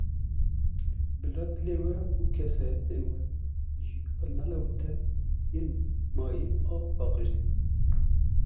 Bila dilê we û kesayetiya we nelewite, yên mayî av paqij dike.